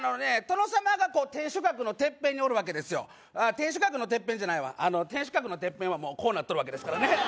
殿様がこう天守閣のテッペンにおるわけですよ天守閣のテッペンじゃないわ天守閣のテッペンはもうこうなっとるわけですからね